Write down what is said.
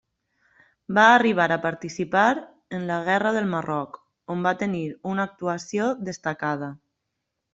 Va arribar a participar en la Guerra del Marroc, on va tenir una actuació destacada.